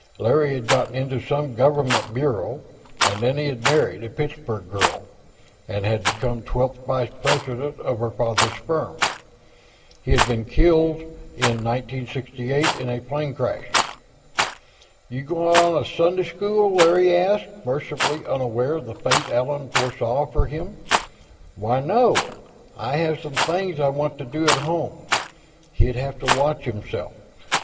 Larry had gotten into some Government bureau, and then he had married a Pittsburgh girl, and had become twelfth vice president of her father's firm. He had been killed, in 1968, in a plane crash. "You gonna Sunday school?" Larry asked, mercifully unaware of the fate Allan foresaw for him. "Why, no. I have some things I want to do at home." He'd have to watch himself.